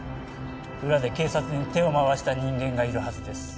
裏で警察に手を回した人間がいるはずです